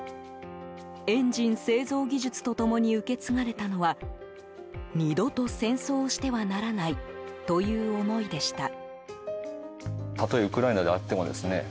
エンジン製造技術と共に受け継がれたのは二度と戦争をしてはならないという思いでした。